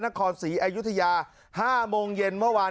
นักเรียงมัธยมจะกลับบ้าน